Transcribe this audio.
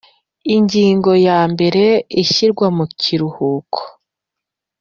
Ingingo ya mbere Ishyirwa mu kiruhuko